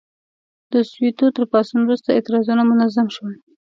د سووېتو تر پاڅون وروسته اعتراضونه منظم شول.